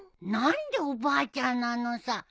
何でおばあちゃんなのさ！